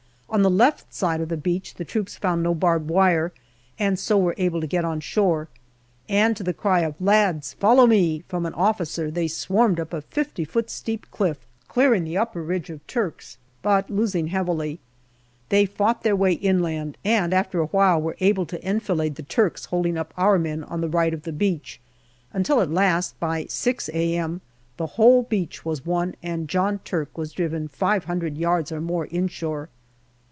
On the left side of the beach the troops found no barbed wire, and so were able to get on shore, and to the cry of " Lads, follow me !" from an officer they swarmed up a 5o feet steep cliff, clearing the upper ridge of Turks, but losing heavily. They fought their way inland, and after a while were able to enfilade the Turks holding up our men on the right of the beach, until at last, by 6 a.m., the whole beach was won and John Turk was driven five hundred yards or more inshore.